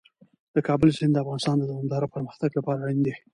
د کابل سیند د افغانستان د دوامداره پرمختګ لپاره اړین دي.